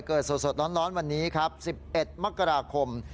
สดร้อนวันนี้ครับ๑๑มกราคม